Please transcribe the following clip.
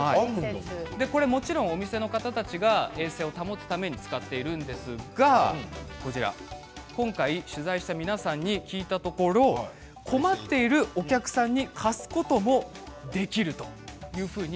もちろん、お店の方たちが衛生を保つために使っているんですが今回、取材した皆さんに聞いたところ困っているお客さんに貸すこともできるというふうに